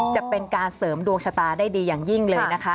จะเป็นการเสริมดวงชะตาได้ดีอย่างยิ่งเลยนะคะ